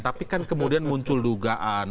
tapi kan kemudian muncul dugaan